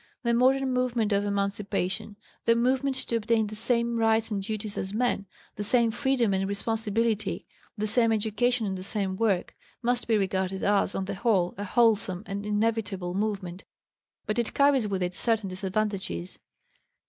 The modern movement of emancipation the movement to obtain the same rights and duties as men, the same freedom and responsibility, the same education and the same work must be regarded as, on the whole, a wholesome and inevitable movement. But it carries with it certain disadvantages.